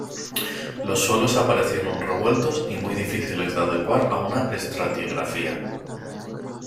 Los suelos aparecieron revueltos y muy difíciles de adecuar a una estratigrafía.